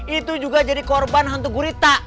itu juga jadi korban hantu gurita